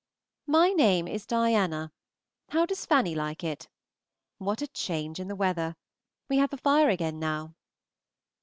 My name is Diana. How does Fanny like it? What a change in the weather! We have a fire again now.